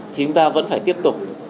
thì chúng ta vẫn phải tiếp tục